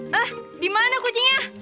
hah dimana kucingnya